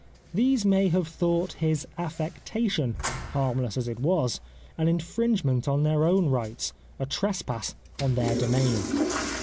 These may have thought his affectation, harmless as it was, an infringement on their own rights — a trespass on their domain."